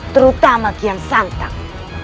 terutama kian santang